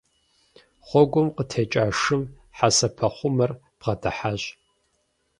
Гъуэгум къытекӀа шым хьэсэпэхъумэр бгъэдыхьащ.